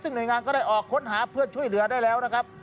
ซึ่งหน่วยงานก็ได้ออกค้นหาเพื่อช่วยเหลือได้แล้วนะครับ